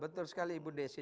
betul sekali ibu desy